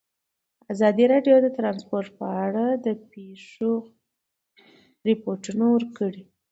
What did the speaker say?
ازادي راډیو د ترانسپورټ په اړه د پېښو رپوټونه ورکړي.